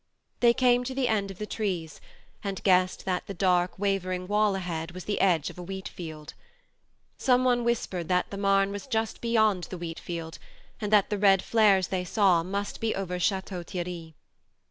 They came to the end of the trees, and guessed that the dark wavering wall ahead was the edge of a wheat field. Some one whispered that the Marne was just beyond the wheat field, and that the red flares they saw must be over Chateau Thierry.